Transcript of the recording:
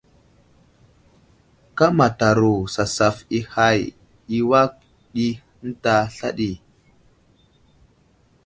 Kámataro sasaf i hay i awak ɗi ənta sla ɗi.